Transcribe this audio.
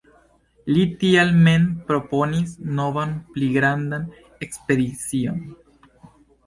Li tial mem proponis novan pli grandan ekspedicion.